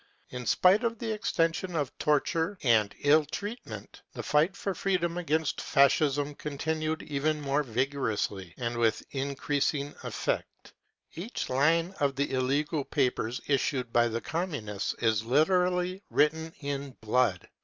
In spife of the extension of torture and ill treatment, the fight for freedom against Fascism continued even more vigorously and with increas ing effect. Each line of the illegal papers issued by the Communists is literally written in blood.